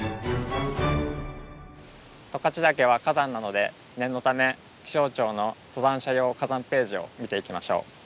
十勝岳は火山なので念のため気象庁の登山者用火山ページを見ていきましょう。